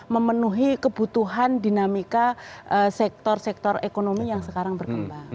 memenuhi kebutuhan dinamika sektor sektor ekonomi yang sekarang berkembang